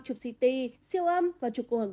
chụp ct siêu âm và chụp cầu hồng